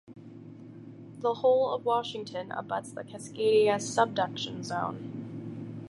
The whole of Washington abuts the Cascadia Subduction Zone.